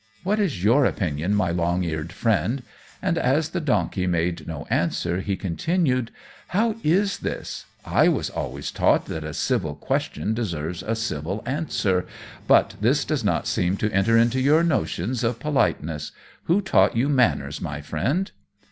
What is your opinion, my long eared Friend?" And as the donkey made no answer he continued "How is this? I was always taught that a civil question deserves a civil answer; but this does not seem to enter into your notions of politeness. Who taught you manners, my Friend?"